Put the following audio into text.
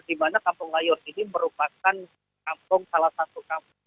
di mana kampung layor ini merupakan salah satu kampung